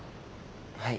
はい。